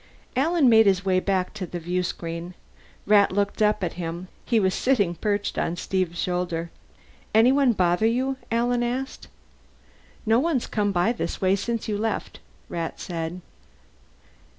Alan made his way back to the viewscreen. Rat looked up at him; he was sitting perched on Steve's shoulder. "Anyone bother you?" Alan asked. "No one's come by this way since you left," Rat said.